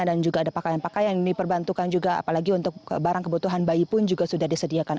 juga ada pakaian pakaian yang diperbantukan juga apalagi untuk barang kebutuhan bayi pun juga sudah disediakan